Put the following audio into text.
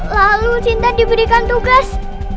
lalu sinta diberikan tugas